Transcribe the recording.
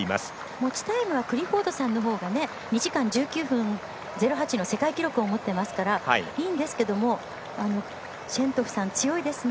持ちタイムはクリフォードさんのほうが２時間１９分０８の世界記録を持っていますからいいんですけどシェントゥフさん強いですね。